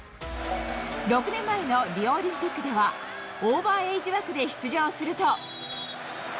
６年前のリオオリンピックでは、オーバーエイジ枠で出場すると。